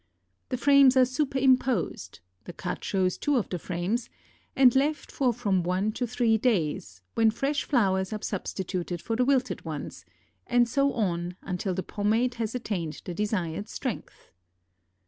The frames are superimposed (the cut shows two of the frames) and left for from one to three days, when fresh flowers are substituted for the wilted ones, and so on until the pomade has attained the desired strength.